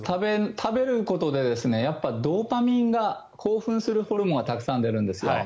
食べることでやっぱりドーパミンが興奮するホルモンがたくさん出るんですよ。